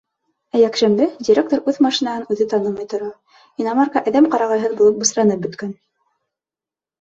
Ә йәкшәмбе директор үҙ машинаһын үҙе танымай тора: иномарка әҙәм ҡарағыһыҙ булып бысранып бөткән.